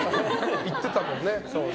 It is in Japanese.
言ってたもんね。